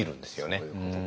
そういうことか。